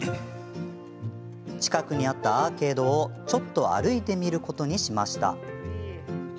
近くにあったアーケードをちょっと歩いてみることにしました。